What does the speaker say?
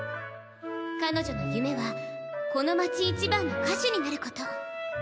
彼女の夢はこの街一番の歌手になること。